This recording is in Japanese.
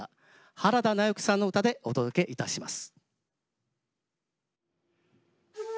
原田直之さんの唄でお届けいたします。